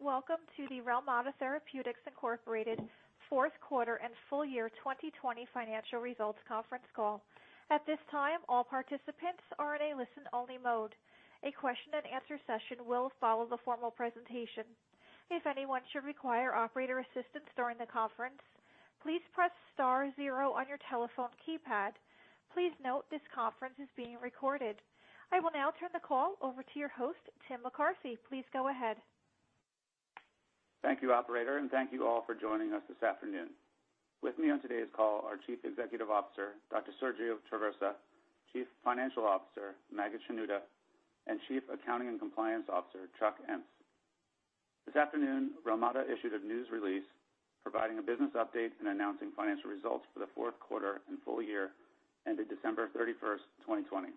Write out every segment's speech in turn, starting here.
Greetings. Welcome to the Relmada Therapeutics Inc. fourth quarter and full year 2020 financial results conference call. At this time all participants are in a listen only. A question and answer session will follow the formal presentation. If anyone should require operator assist during the conference, please press star zero on your telephone keypad. Please note this conference is being recorded. I will now turn the call over to your host, Tim McCarthy. Please go ahead. Thank you, operator, and thank you all for joining us this afternoon. With me on today's call are Chief Executive Officer, Dr. Sergio Traversa, Chief Financial Officer, Maged Shenouda, and Chief Accounting and Compliance Officer, Chuck Ence. This afternoon, Relmada issued a news release providing a business update and announcing financial results for the fourth quarter and full year ended December 31st, 2020.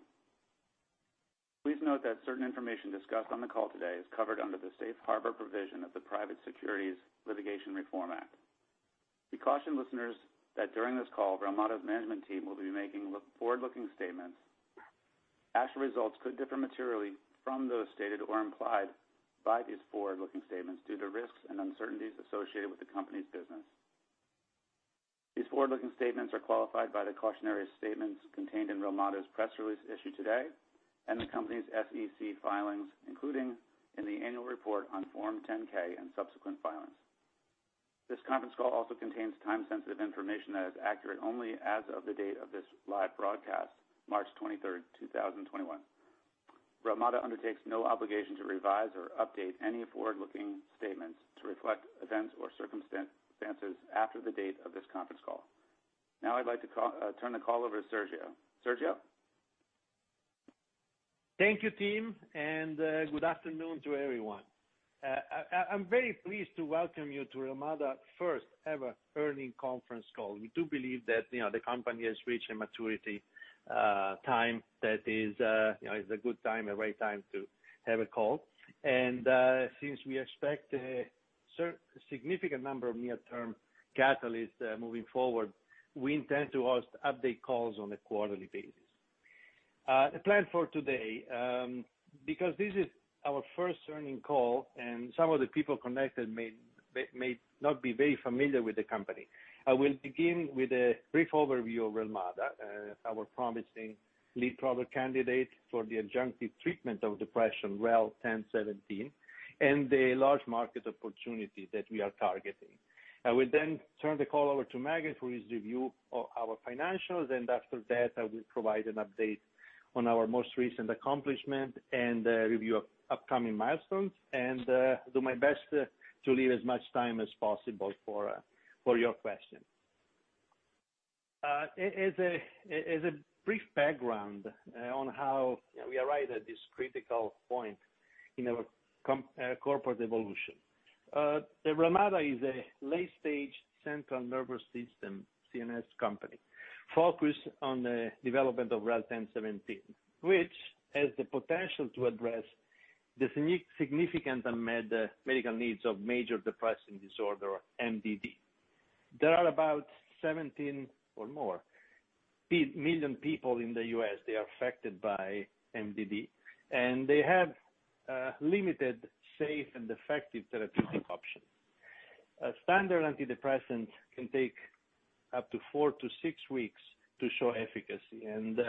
Please note that certain information discussed on the call today is covered under the safe harbor provision of the Private Securities Litigation Reform Act. We caution listeners that during this call, Relmada's management team will be making forward-looking statements. Actual results could differ materially from those stated or implied by these forward-looking statements due to risks and uncertainties associated with the company's business. These forward-looking statements are qualified by the cautionary statements contained in Relmada's press release issued today and the company's SEC filings, including in the annual report on Form 10-K and subsequent filings. This conference call also contains time-sensitive information that is accurate only as of the date of this live broadcast, March 23rd, 2021. Relmada undertakes no obligation to revise or update any forward-looking statements to reflect events or circumstances after the date of this conference call. Now I'd like to turn the call over to Sergio. Sergio? Thank you, Tim. Good afternoon to everyone. I'm very pleased to welcome you to Relmada first ever earnings conference call. We do believe that the company has reached a maturity time that is a good time and right time to have a call. Since we expect a significant number of near-term catalysts moving forward, we intend to host update calls on a quarterly basis. The plan for today. Because this is our first earnings call and some of the people connected may not be very familiar with the company, I will begin with a brief overview of Relmada, our promising lead product candidate for the adjunctive treatment of depression, REL-1017, and the large market opportunity that we are targeting. I will then turn the call over to Maged for his review of our financials. After that, I will provide an update on our most recent accomplishment and a review of upcoming milestones and do my best to leave as much time as possible for your questions. As a brief background on how we arrived at this critical point in our corporate evolution. Relmada is a late-stage central nervous system, CNS, company focused on the development of REL-1017, which has the potential to address the significant unmet medical needs of major depressive disorder, MDD. There are about 17 or more million people in the U.S. that are affected by MDD. They have limited, safe, and effective therapeutic options. A standard antidepressant can take up to four to six weeks to show efficacy and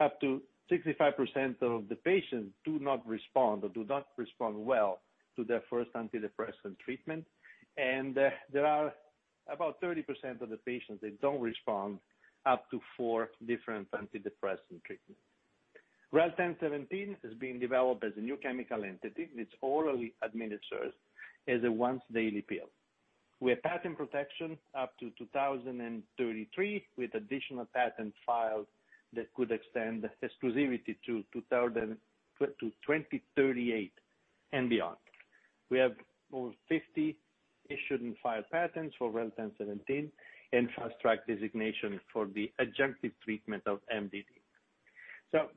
up to 65% of the patients do not respond or do not respond well to their first antidepressant treatment. There are about 30% of the patients that don't respond up to four different antidepressant treatments. REL-1017 is being developed as a new chemical entity that's orally administered as a once-daily pill. We have patent protection up to 2033 with additional patents filed that could extend exclusivity to 2038 and beyond. We have over 50 issued and filed patents for REL-1017 and Fast Track designation for the adjunctive treatment of MDD.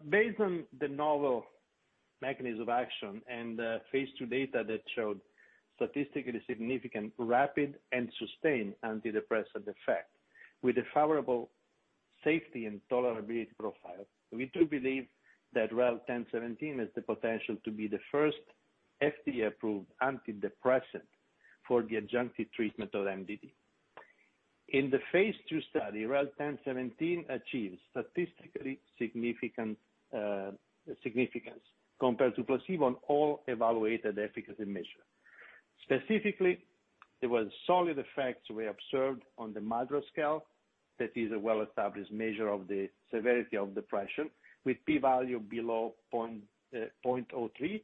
Based on the novel mechanism of action and phase II data that showed statistically significant rapid and sustained antidepressant effect with a favorable safety and tolerability profile, we do believe that REL-1017 has the potential to be the first FDA-approved antidepressant for the adjunctive treatment of MDD. In the phase II study, REL-1017 achieved statistical significance compared to placebo on all evaluated efficacy measures. Specifically, there was solid effects we observed on the MADRS scale. That is a well-established measure of the severity of depression with p-value below 0.03,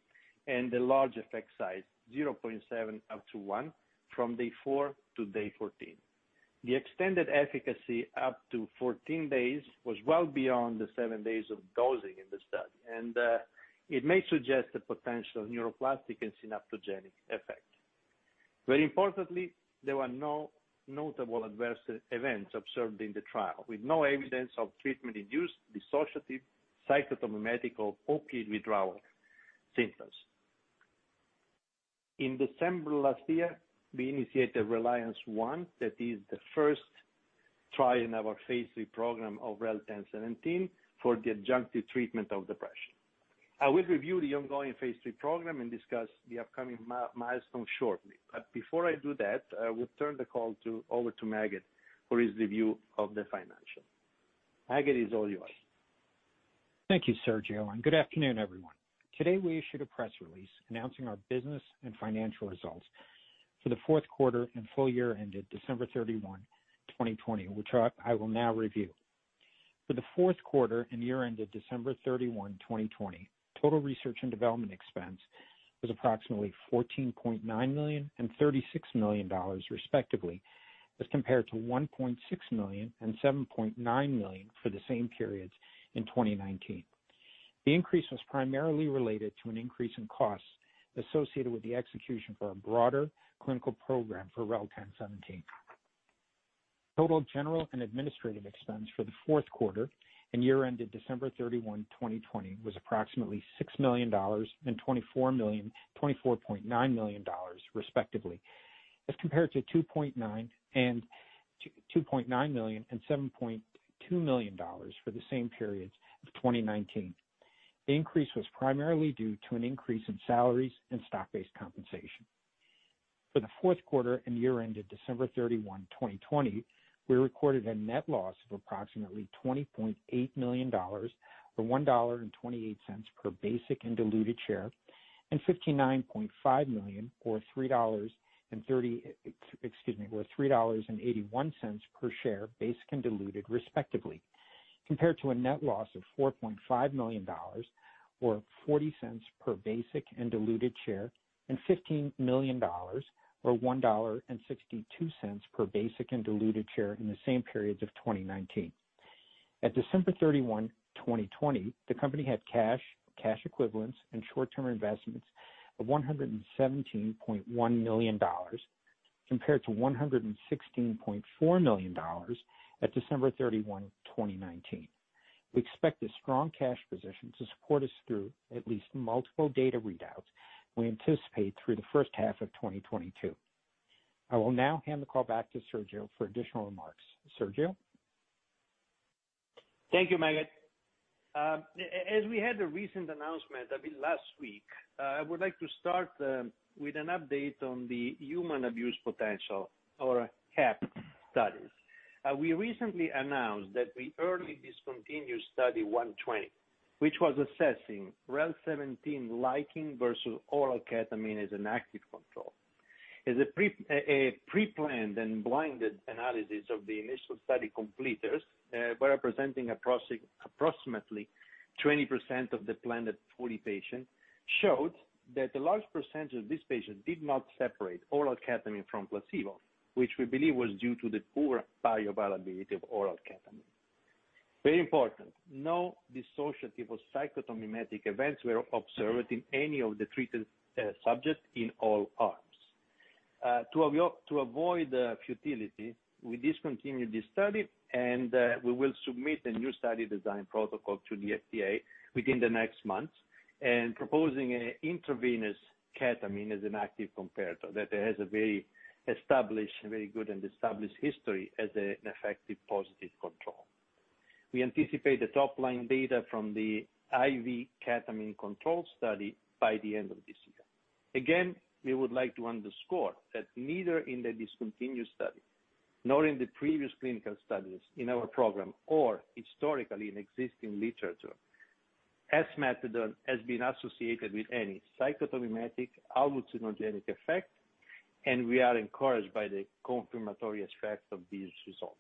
and the large effect size, 0.7 up to one from day four to day 14. The extended efficacy up to 14-days was well beyond the seven days of dosing in the study, and it may suggest a potential neuroplastic and synaptogenic effect. Very importantly, there were no notable adverse events observed in the trial, with no evidence of treatment-induced dissociative, psychotomimetic, or opioid withdrawal symptoms. In December last year, we initiated RELIANCE I. That is the first trial in our phase III program of REL-1017 for the adjunctive treatment of depression. I will review the ongoing phase III program and discuss the upcoming milestone shortly. Before I do that, I will turn the call over to Maged for his review of the financials. Maged, it is all yours. Thank you, Sergio, and good afternoon, everyone. Today we issued a press release announcing our business and financial results for the fourth quarter and full year ended December 31, 2020, which I will now review. For the fourth quarter and year ended December 31, 2020, total research and development expense was approximately $14.9 million and $36 million respectively, as compared to $1.6 million and $7.9 million for the same periods in 2019. The increase was primarily related to an increase in costs associated with the execution for a broader clinical program for REL-1017. Total general and administrative expense for the fourth quarter and year ended December 31, 2020, was approximately $6 million and $24.9 million respectively, as compared to $2.9 million and $7.2 million for the same periods of 2019. The increase was primarily due to an increase in salaries and stock-based compensation. For the fourth quarter and year ended December 31, 2020, we recorded a net loss of approximately $20.8 million, or $1.28 per basic and diluted share, and $59.5 million or $3.81 per share, basic and diluted respectively, compared to a net loss of $4.5 million or $0.40 per basic and diluted share, and $15 million or $1.62 per basic and diluted share in the same periods of 2019. At December 31, 2020, the company had cash equivalents, and short-term investments of $117.1 million, compared to $116.4 million at December 31, 2019. We expect a strong cash position to support us through at least multiple data readouts we anticipate through the first half of 2022. I will now hand the call back to Sergio for additional remarks. Sergio? Thank you, Maged. As we had the recent announcement, I believe last week, I would like to start with an update on the human abuse potential or HAP studies. We recently announced that we early discontinued Study 120, which was assessing REL-1017 liking versus oral ketamine as an active control. As a pre-planned and blinded analysis of the initial study completers, while representing approximately 20% of the planned 40 patients, showed that a large percentage of these patients did not separate oral ketamine from placebo, which we believe was due to the poor bioavailability of oral ketamine. Very important, no dissociative or psychotomimetic events were observed in any of the treated subjects in all arms. To avoid futility, we discontinued this study and we will submit a new study design protocol to the FDA within the next month and proposing intravenous ketamine as an active comparator that has a very good and established history as an effective positive control. We anticipate the top-line data from the IV ketamine control study by the end of this year. Again, we would like to underscore that neither in the discontinued study nor in the previous clinical studies in our program or historically in existing literature, esmethadone has been associated with any psychotomimetic autoimmunogenic effect and we are encouraged by the confirmatory effect of these results.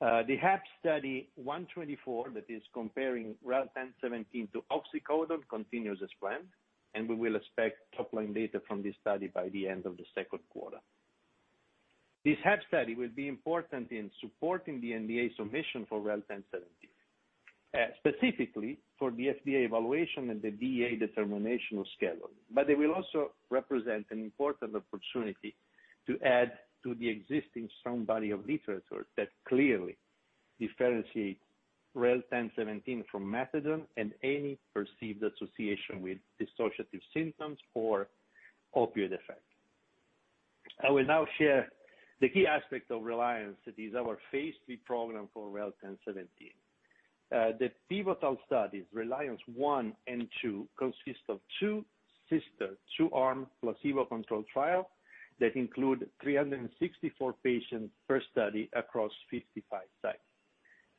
The HAP study 124 that is comparing REL-1017 to oxycodone continues as planned, and we will expect top-line data from this study by the end of the second quarter. This HAP study will be important in supporting the NDA submission for REL-1017, specifically for the FDA evaluation and the DEA determination of scheduling. It will also represent an important opportunity to add to the existing strong body of literature that clearly differentiates REL-1017 from methadone and any perceived association with dissociative symptoms or opioid effect. I will now share the key aspect of RELIANCE. It is our phase III program for REL-1017. The pivotal studies, RELIANCE I and RELIANCE II, consist of two sister two-arm placebo-controlled trials that include 364 patients per study across 55 sites.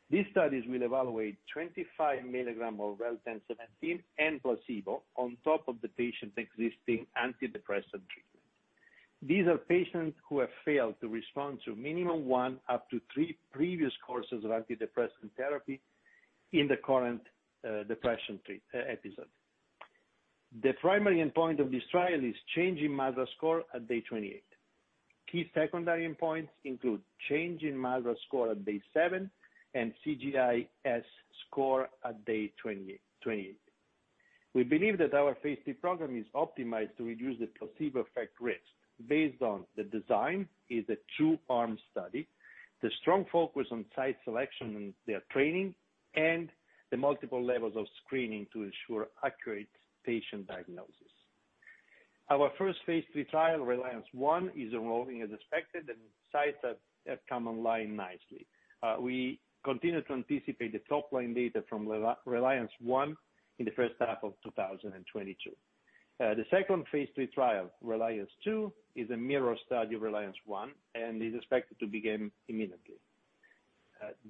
These studies will evaluate 25-milligrams of REL-1017 and placebo on top of the patient's existing antidepressant treatment. These are patients who have failed to respond to minimum one up to three previous courses of antidepressant therapy in the current depression episode. The primary endpoint of this trial is change in MADRS score at day 28. Key secondary endpoints include change in MADRS score at day seven and CGI-S score at day 28. We believe that our phase III program is optimized to reduce the placebo effect risk based on the design, it's a two-arm study, the strong focus on site selection and their training, and the multiple levels of screening to ensure accurate patient diagnosis. Our first phase III trial, RELIANCE I, is enrolling as expected, and sites have come online nicely. We continue to anticipate the top-line data from RELIANCE I in the first half of 2022. The second phase III trial, RELIANCE II, is a mirror study of RELIANCE I and is expected to begin immediately.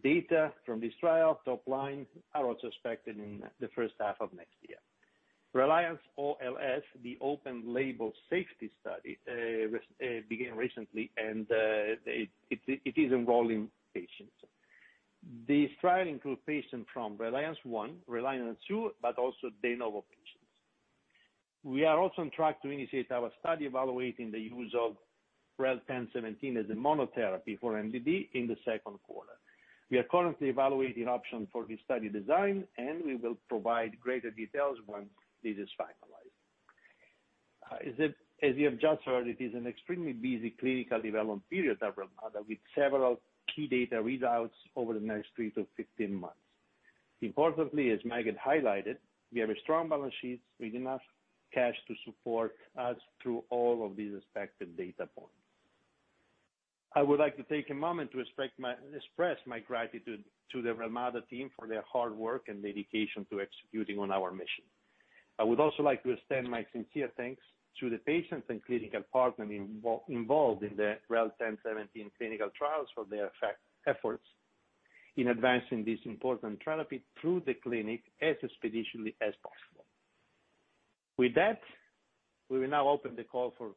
Data from this trial top-line are also expected in the first half of next year. RELIANCE-OLS, the open label safety study, began recently, and it is enrolling patients. This trial includes patients from RELIANCE I, RELIANCE II, but also de novo patients. We are also on track to initiate our study evaluating the use of REL-1017 as a monotherapy for MDD in the second quarter. We are currently evaluating options for this study design, and we will provide greater details once this is finalized. As you have just heard, it is an extremely busy clinical development period at Relmada, with several key data readouts over the next three to 15-months. Importantly, as Maged had highlighted, we have a strong balance sheet with enough cash to support us through all of these expected data points. I would like to take a moment to express my gratitude to the Relmada team for their hard work and dedication to executing on our mission. I would also like to extend my sincere thanks to the patients and clinical partners involved in the REL-1017 clinical trials for their efforts in advancing this important therapy through the clinic as expeditiously as possible. With that, we will now open the call for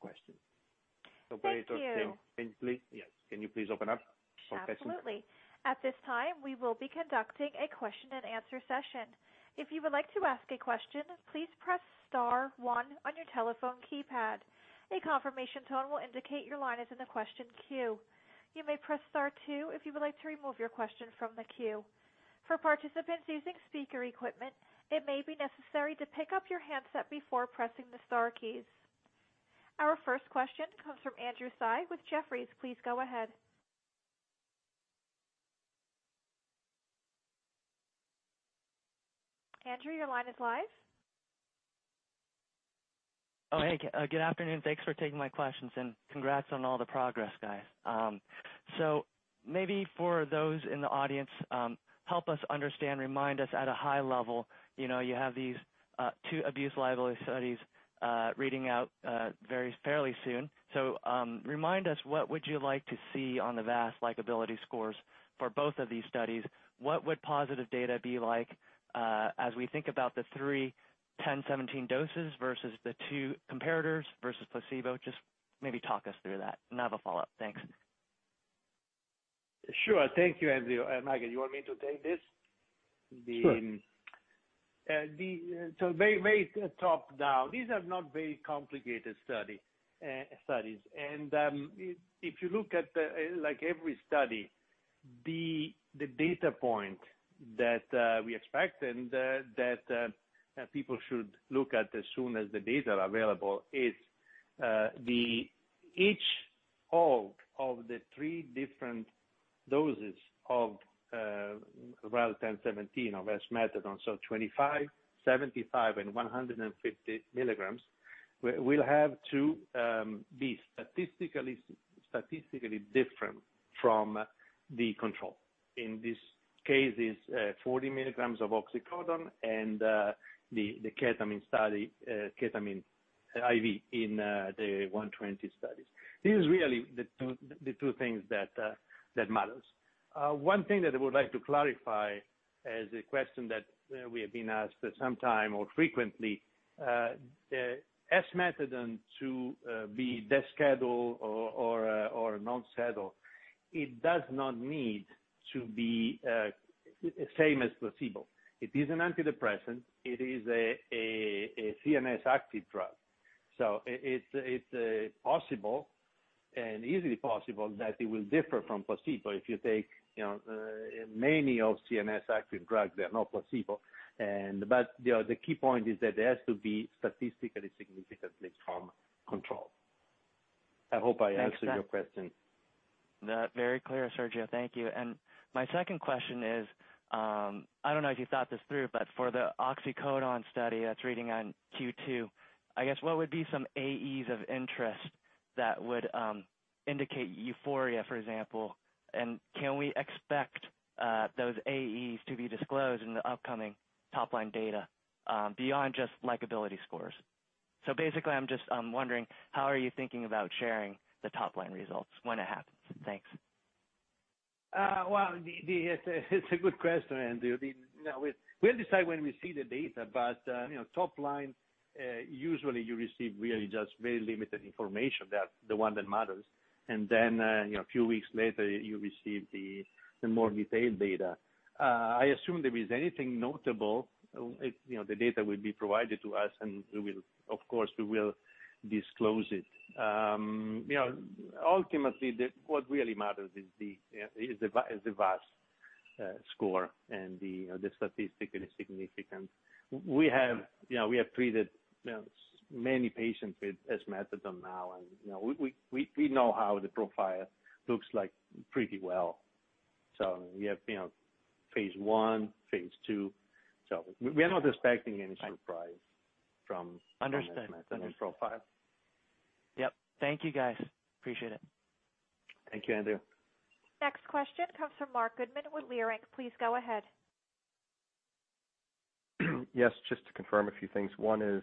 questions. Thank you. Operator, can you please open up for questions? Absolutely. At this time, we will be conducting a question and answer session. If you would like to ask a question, please press star one on your telephone keypad. A confirmation tone will indicate your line is in the question queue. You may play star two if you would like to remove your question from the queue. For participants using speaker equipment, it may be necessary to pick up your handset before pressing the star keys. Our first question comes from Andrew Tsai with Jefferies. Please go ahead. Andrew, your line is live. Oh, hey. Good afternoon. Thanks for taking my questions, and congrats on all the progress, guys. maybe for those in the audience, help us understand, remind us at a high level. You have these two abuse liability studies reading out fairly soon. remind us, what would you like to see on the VAS liability scores for both of these studies? What would positive data be like as we think about the three 1017 doses versus the two comparators versus placebo? Just maybe talk us through that, and I have a follow-up. Thanks. Sure. Thank you, Andrew. Maged, you want me to take this? Sure. Very top-down. These are not very complicated studies. If you look at every study, the data point that we expect and that people should look at as soon as the data are available is each of the three different doses of REL-1017 or esmethadone, 25-milligrams, 75-milligrams, and 150-milligrams, will have to be statistically different from the control. In this case, it's 40-milligrams of oxycodone and the ketamine IV in Study 120. This is really the two things that matter. One thing that I would like to clarify as a question that we have been asked some time or frequently. Esmethadone to be scheduled or non-scheduled, it does not need to be the same as placebo. It is an antidepressant. It is a CNS active drug. It's possible, and easily possible, that it will differ from placebo. If you take many of CNS active drugs, they're not placebo. The key point is that there has to be statistical significance from control. I hope I answered your question. Thanks. That very clear, Sergio. Thank you. My second question is, I don't know if you thought this through, but for the oxycodone study that's reading on Q2, I guess what would be some AEs of interest that would indicate euphoria, for example? Can we expect those AEs to be disclosed in the upcoming top-line data beyond just liability scores? Basically, I'm just wondering, how are you thinking about sharing the top-line results when it happens? Thanks. It's a good question, Andrew. We'll decide when we see the data, but top line, usually you receive really just very limited information. That's the one that matters. Then a few weeks later, you receive the more detailed data. I assume if there is anything notable, the data will be provided to us, and of course, we will disclose it. Ultimately, what really matters is the VAS score and the statistical significance. We have treated many patients with esmethadone now, and we know how the profile looks like pretty well. We have phase I, phase II. Understood. Profile. Yep. Thank you, guys. Appreciate it. Thank you, Andrew. Next question comes from Marc Goodman with Leerink. Please go ahead. Yes, just to confirm a few things. One is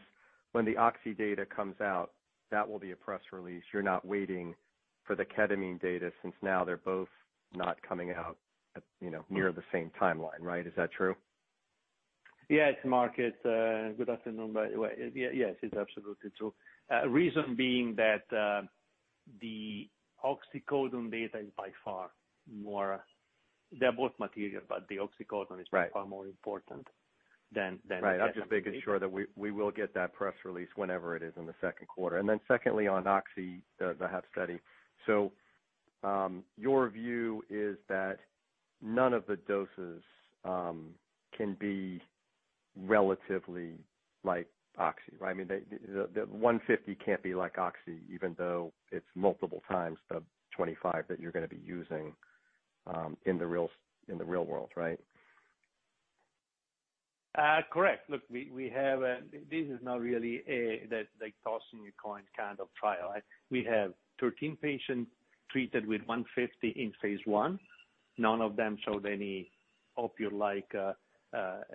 when the oxy data comes out, that will be a press release. You're not waiting for the ketamine data since now they're both not coming out near the same timeline, right? Is that true? Yes, Marc. Good afternoon, by the way. Yes, it's absolutely true. Reason being that the oxycodone data is by far more. They're both material, but the oxycodone is. Right. far more important than-. Right. I'm just making sure that we will get that press release whenever it is in the second quarter. Secondly, on oxy, the HAP study. Your view is that none of the doses can be relatively like oxy, right? I mean, the 150 can't be like oxy, even though it's multiple times the 25 that you're going to be using in the real world, right? Correct. Look, this is not really a tossing-a-coin kind of trial. We have 13 patients treated with 150 in phase I. None of them showed any opioid-like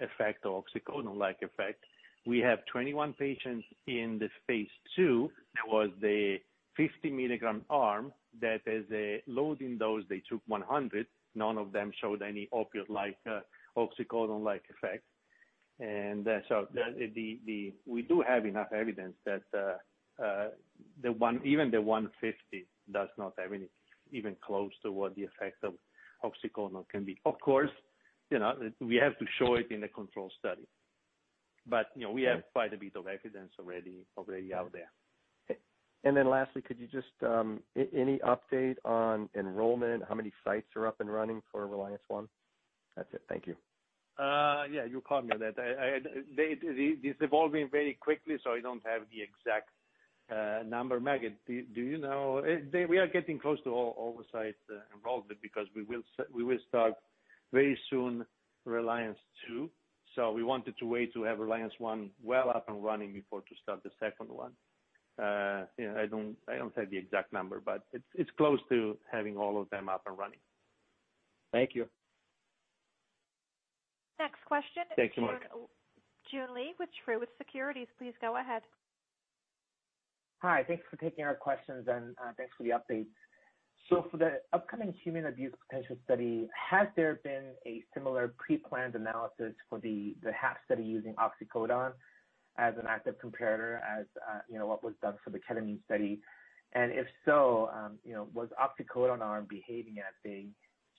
effect or oxycodone-like effect. We have 21 patients in the phase II. That was the 5- milligram arm that as a loading dose, they took 100. None of them showed any opioid-like, oxycodone-like effect. We do have enough evidence that even the 150 does not have any, even close to what the effect of oxycodone can be. Of course, we have to show it in a control study. We have quite a bit of evidence already out there. Lastly, any update on enrollment? How many sites are up and running for RELIANCE I? That's it. Thank you. Yeah, you caught me on that. It's evolving very quickly. I don't have the exact number. Maged, do you know? We are getting close to all site involvement because we will start very soon RELIANCE II. We wanted to wait to have RELIANCE I well up and running before to start the second one. I don't have the exact number, but it's close to having all of them up and running. Thank you. Next question. Thank you, Marc. Joon Lee with Truist Securities. Please go ahead. Hi. Thanks for taking our questions and thanks for the updates. For the upcoming human abuse potential study, has there been a similar pre-planned analysis for the HAP study using oxycodone as an active comparator, as what was done for the ketamine study? If so, was oxycodone arm behaving as they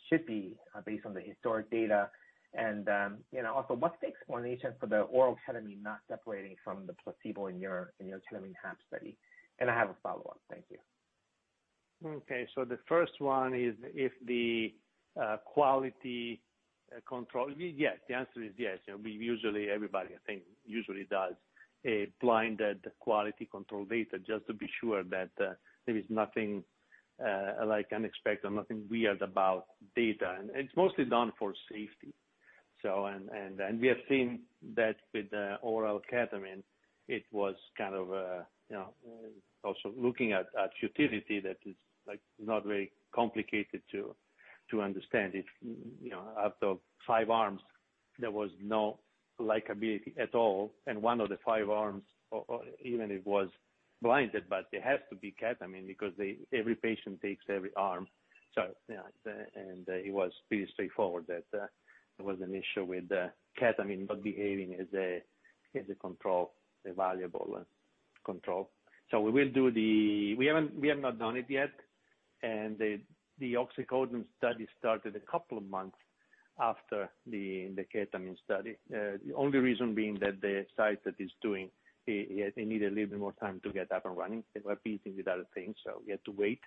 should be, based on the historic data? Also, what's the explanation for the oral ketamine not separating from the placebo in your ketamine HAP study? I have a follow-up. Thank you. Okay. The first one is if the quality control. Yes. The answer is yes. Usually everybody, I think, usually does a blinded quality control data just to be sure that there is nothing unexpected or nothing weird about data. It's mostly done for safety. We have seen that with oral ketamine, it was also looking at utility that is not very complicated to understand. After five arms, there was no likability at all, and one of the five arms, or even it was blinded, but it has to be ketamine because every patient takes every arm. It was pretty straightforward that there was an issue with the ketamine not behaving as a control, a valuable control. We have not done it yet. The oxycodone study started a couple of months after the ketamine study. The only reason being that the site that is doing it, they need a little bit more time to get up and running. They were busy with other things, we had to wait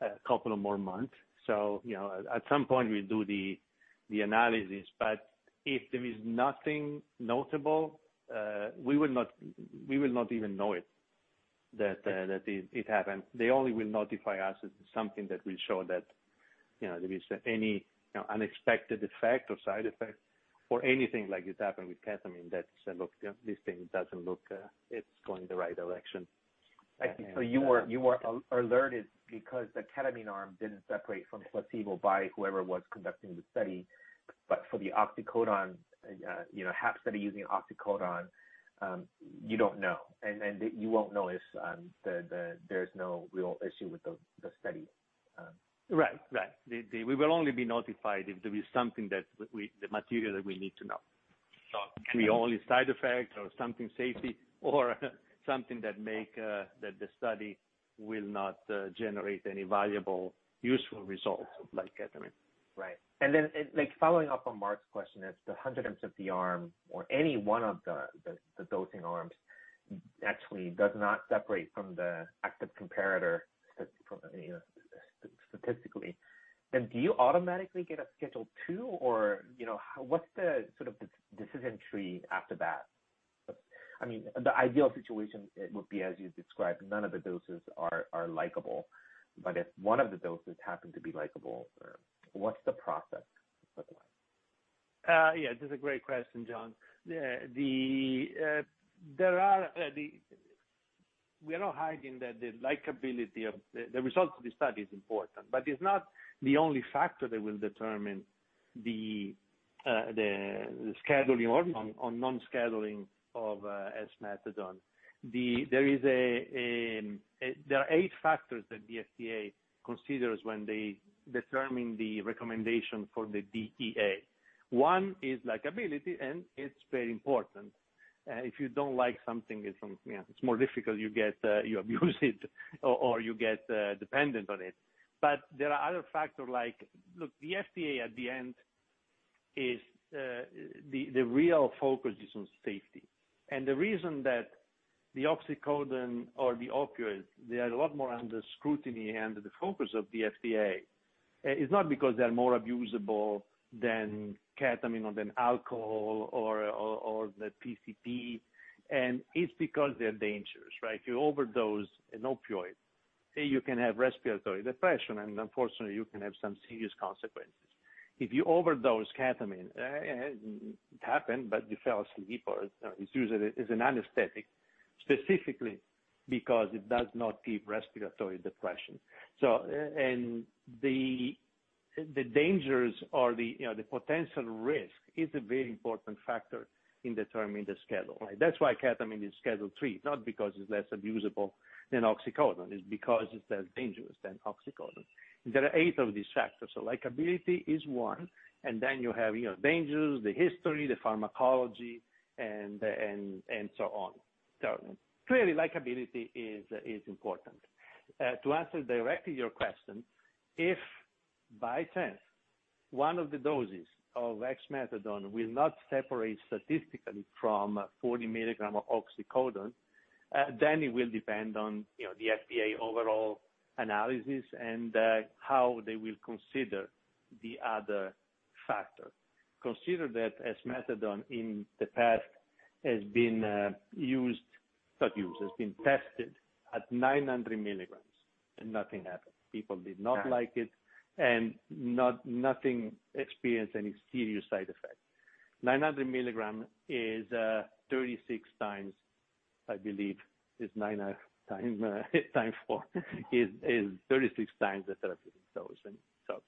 a couple of more months. At some point, we'll do the analysis, but if there is nothing notable, we will not even know it, that it happened. They only will notify us if something that will show that there is any unexpected effect or side effect or anything like it happened with ketamine that said, "Look, this thing doesn't look it's going the right direction. Thank you. You were alerted because the ketamine arm didn't separate from placebo by whoever was conducting the study. For the oxycodone HAP study using oxycodone, you don't know. You won't know if there's no real issue with the study. Right. We will only be notified if there is the material that we need to know. Okay. It can be only side effects or something safety or something that make the study will not generate any valuable, useful results like ketamine. Right. Following up on Marc's question, if the 150 arm or any one of the dosing arms actually does not separate from the active comparator statistically, do you automatically get a Schedule II, or what's the sort of decision tree after that? The ideal situation, it would be as you described, none of the doses are likable. If one of the doses happened to be likable, what's the process? That's a great question, Joon. We are not hiding that the abuse liability of the result of the study is important, but it's not the only factor that will determine the scheduling or non-scheduling of esmethadone. There are eight factors that the FDA considers when they determine the recommendation for the DEA. One is abuse liability, and it's very important. If you don't like something, it's more difficult, you abuse it or you get dependent on it. There are other factors. Look, the FDA at the end, the real focus is on safety. The reason that the oxycodone or the opioids, they are a lot more under scrutiny and the focus of the FDA is not because they're more abusable than ketamine or than alcohol or the PCP. It's because they're dangerous, right? If you overdose an opioid, say, you can have respiratory depression and unfortunately you can have some serious consequences. If you overdose ketamine, it happened, but you fell asleep or it's used as an anesthetic specifically because it does not give respiratory depression. The dangers or the potential risk is a very important factor in determining the schedule. That's why ketamine is Schedule III, not because it's less abusable than oxycodone. It's because it's less dangerous than oxycodone. There are eight of these factors. Likability is one, and then you have dangers, the history, the pharmacology, and so on. Clearly likability is important. To answer directly your question, if by chance one of the doses of esmethadone will not separate statistically from 40 mg of oxycodone, then it will depend on the FDA overall analysis and how they will consider the other factors. Consider that esmethadone in the past has been tested at 900-milligrams and nothing happened. People did not like it and nothing experienced any serious side effects. 900-milligrams is 36 times, I believe, is nine times four is 36 times the therapeutic dose.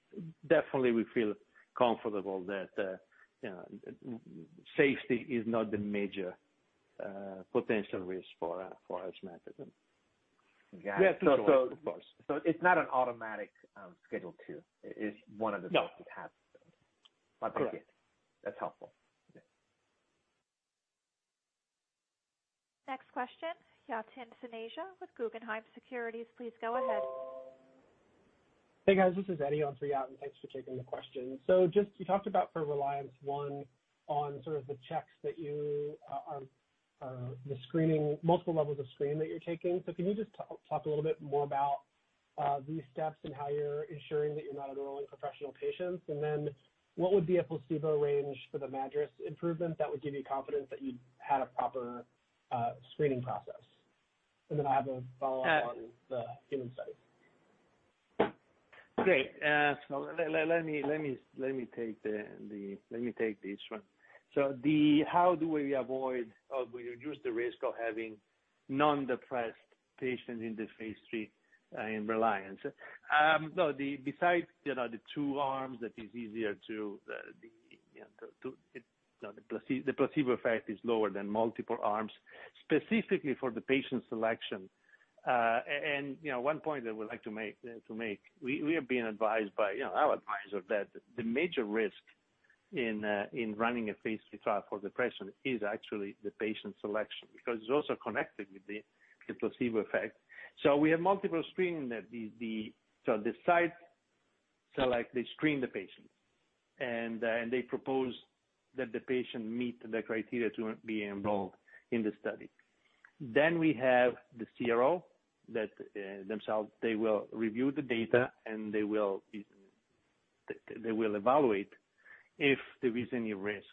Definitely we feel comfortable that safety is not the major potential risk for esmethadone. Yeah. Of course. It's not an automatic Schedule II if one of the doses. No. happens. Correct. I get it. That's helpful. Okay. Next question, Yatin Suneja with Guggenheim Securities. Please go ahead. Hey, guys. This is Eddie on for Yatin. Thanks for taking the question. Just, you talked about for RELIANCE I on sort of the checks, the screening, multiple levels of screening that you're taking. Can you just talk a little bit more about these steps and how you're ensuring that you're not enrolling professional patients? What would be a placebo range for the MADRS improvement that would give you confidence that you had a proper screening process? I have a follow-up on the human study. Great. Let me take this one. How do we avoid or we reduce the risk of having non-depressed patients in the phase III in RELIANCE? Besides the two arms that is easier to, the placebo effect is lower than multiple arms, specifically for the patient selection. One point that we like to make, we are being advised by our advisor that the major risk in running a phase III trial for depression is actually the patient selection, because it's also connected with the placebo effect. We have multiple screening. The site select, they screen the patient, and they propose that the patient meet the criteria to be enrolled in the study. We have the CRO themselves. They will review the data, and they will evaluate if there is any risk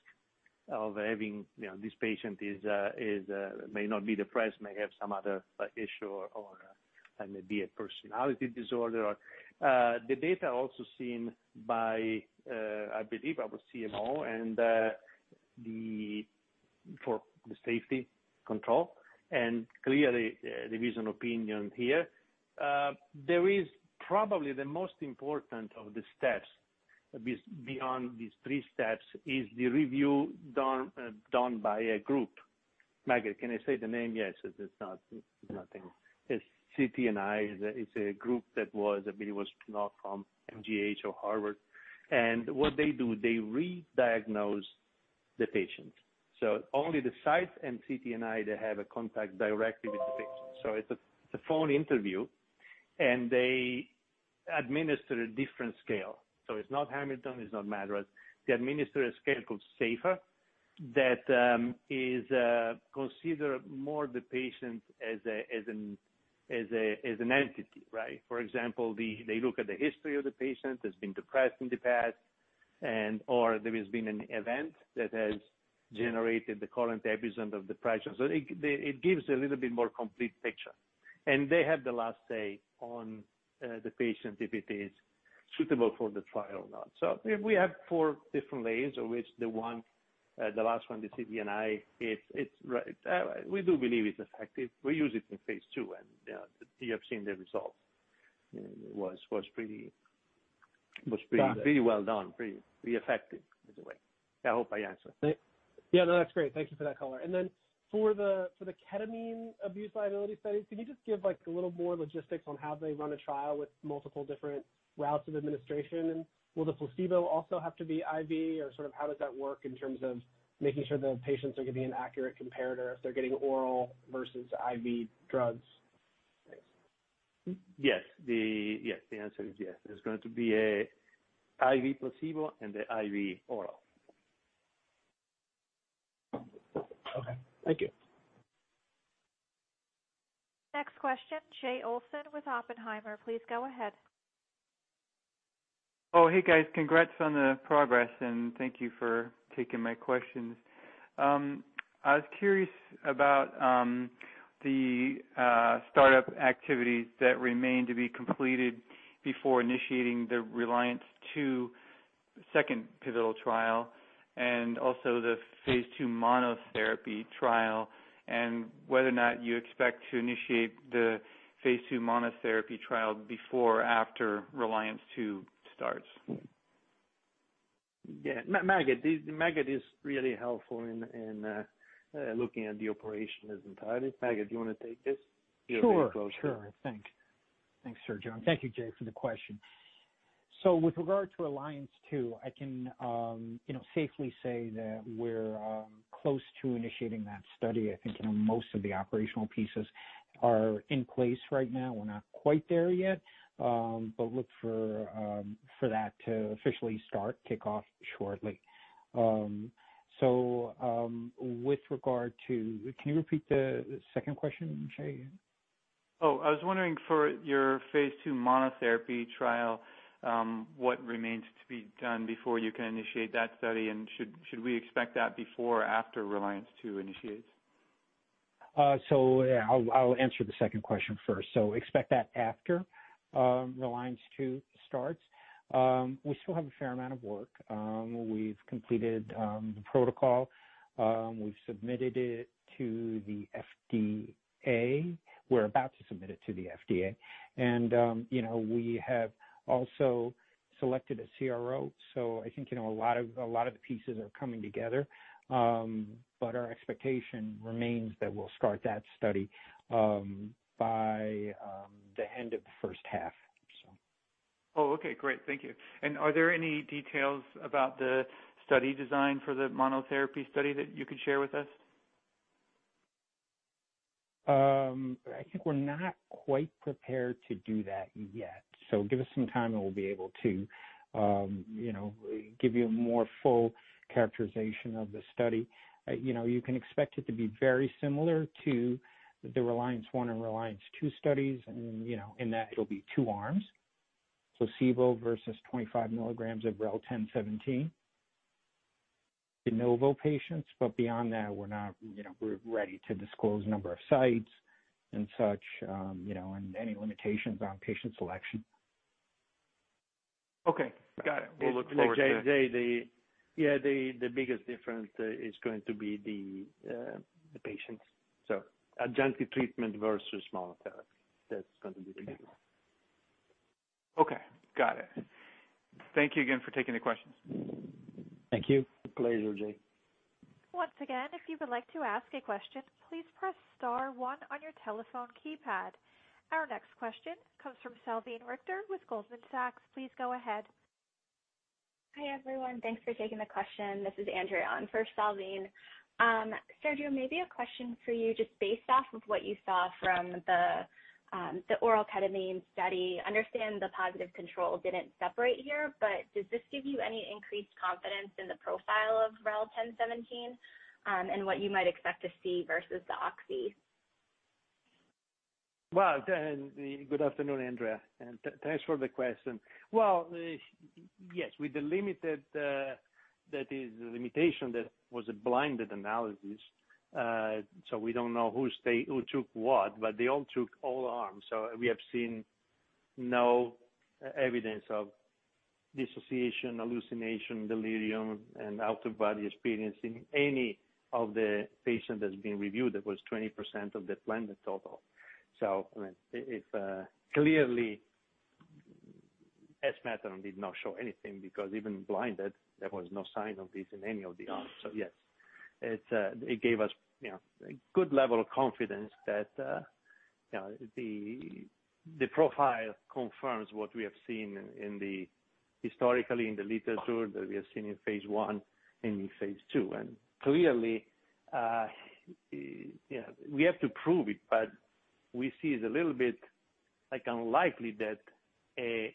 of having this patient may not be depressed, may have some other issue or maybe a personality disorder. The data also seen by, I believe our CMO and for the safety control. Clearly, there is an opinion here. Probably the most important of the steps beyond these three steps is the review done by a group. Maged, can I say the name? Yes. It's CTNI. It's a group that was, I believe was not from MGH or Harvard. What they do, they re-diagnose the patient. Only the sites and CTNI, they have a contact directly with the patient. It's a phone interview, and they administer a different scale. It's not Hamilton, it's not MADRS. They administer a scale called SAFER. That is considered more the patient as an entity, right? For example, they look at the history of the patient, has been depressed in the past. There has been an event that has generated the current episode of depression. It gives a little bit more complete picture. They have the last say on the patient if it is suitable for the trial or not. We have four different layers, of which the last one, the CTNI, we do believe it's effective. We use it in phase II and you have seen the results. It was pretty well done. Pretty effective, by the way. I hope I answered. Yeah, no, that's great. Thank you for that color. For the ketamine abuse liability studies, can you just give a little more logistics on how they run a trial with multiple different routes of administration? Will the placebo also have to be IV, or how does that work in terms of making sure the patients are giving an accurate comparator if they're getting oral versus IV drugs? Thanks. Yes. The answer is yes. There's going to be a IV placebo and a IV oral. Okay. Thank you. Next question, Jay Olson with Oppenheimer. Please go ahead. Oh, hey guys. Congrats on the progress, and thank you for taking my questions. I was curious about the startup activities that remain to be completed before initiating the RELIANCE II second pivotal trial, and also the phase II monotherapy trial, and whether or not you expect to initiate the phase II monotherapy trial before or after RELIANCE II starts. Yeah. Maged is really helpful in looking at the operation as entirety. Maged, do you want to take this? Sure. He'll be closer. Thanks. Thanks, Sergio. Thank you, Jay, for the question. With regard to RELIANCE II, I can safely say that we're close to initiating that study. I think most of the operational pieces are in place right now. We're not quite there yet. Look for that to officially start kickoff shortly. Can you repeat the second question, Jay? I was wondering for your phase II monotherapy trial, what remains to be done before you can initiate that study, and should we expect that before or after RELIANCE II initiates? Yeah, I'll answer the second question first. Expect that after RELIANCE II starts. We still have a fair amount of work. We've completed the protocol. We've submitted it to the FDA. We're about to submit it to the FDA. We have also selected a CRO. I think a lot of the pieces are coming together. Our expectation remains that we'll start that study by the end of the first half. Oh, okay. Great. Thank you. Are there any details about the study design for the monotherapy study that you could share with us? I think we're not quite prepared to do that yet. Give us some time and we'll be able to give you a more full characterization of the study. You can expect it to be very similar to the RELIANCE I and RELIANCE II studies in that it'll be two arms, placebo versus 25-milligrams of REL-1017 de novo patients. Beyond that, we're not ready to disclose number of sites and such, and any limitations on patient selection. Okay. Got it. We'll look forward to it. Jay, the biggest difference is going to be the patients, adjunctive treatment versus monotherapy. That's going to be the difference. Okay. Got it. Thank you again for taking the questions. Thank you. Pleasure, Jay. Once again, if you would like to ask a question, please press star one on your telephone keypad. Our next question comes from Salveen Richter with Goldman Sachs. Please go ahead. Hi, everyone. Thanks for taking the question. This is Andrea in for Salveen. Sergio, maybe a question for you, just based off of what you saw from the oral ketamine study. Understand the positive control didn't separate here, but does this give you any increased confidence in the profile of REL-1017, and what you might expect to see versus the oxy? Good afternoon, Andrea, and thanks for the question. Yes, with the limitation that was a blinded analysis, we don't know who took what, they all took all arms. We have seen no evidence of dissociation, hallucination, delirium, and out-of-body experience in any of the patient that's been reviewed. That was 20% of the planned total. It clearly, esmethadone did not show anything because even blinded, there was no sign of this in any of the arms. Yes, it gave us a good level of confidence that the profile confirms what we have seen historically in the literature, that we have seen in phase I and in phase II. Clearly, we have to prove it, we see it's a little bit unlikely that a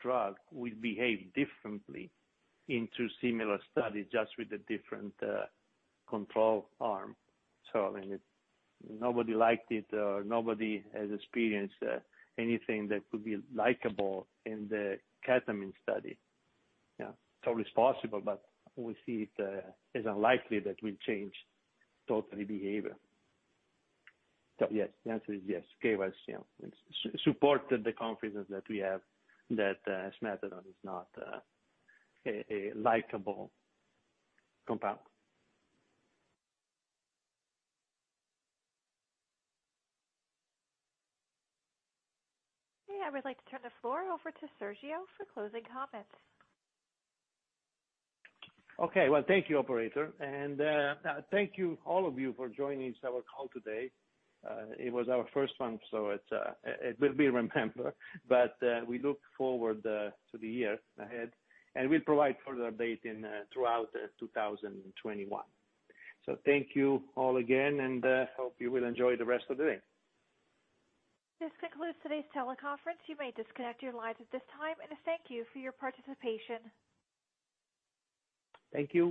drug will behave differently in two similar studies, just with a different control arm. I mean, nobody liked it or nobody has experienced anything that could be likable in the ketamine study. It's always possible, but we see it as unlikely that will change totally behavior. Yes, the answer is yes. It supported the confidence that we have that esmethadone is not a likable compound. Okay, I would like to turn the floor over to Sergio for closing comments. Okay. Well, thank you, operator. Thank you, all of you, for joining our call today. It was our first one, so it will be remembered. We look forward to the year ahead, and we'll provide further update throughout 2021. Thank you all again, and hope you will enjoy the rest of the day. This concludes today's teleconference. You may disconnect your lines at this time, and thank you for your participation. Thank you.